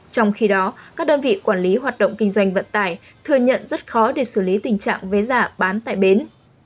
trong khi đó các đơn vị quản lý hoạt động kinh doanh vận tải thừa nhận rất khó để xử lý tình trạng vé giả bán tại bến